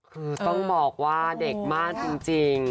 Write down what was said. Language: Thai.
คือต้องบอกว่าเด็กมากจริง